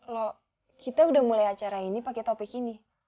loh kita udah mulai acara ini pakai topik ini